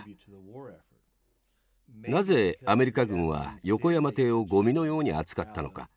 なぜアメリカ軍は横山艇をごみのように扱ったのか。